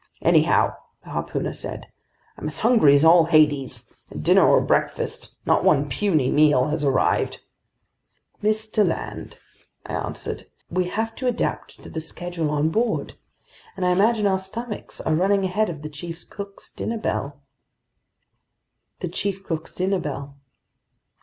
"Anyhow," the harpooner said, "I'm as hungry as all Hades, and dinner or breakfast, not one puny meal has arrived!" "Mr. Land," I answered, "we have to adapt to the schedule on board, and I imagine our stomachs are running ahead of the chief cook's dinner bell."